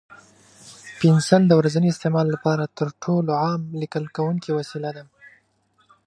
پنسل د ورځني استعمال لپاره تر ټولو عام لیکل کوونکی وسیله ده.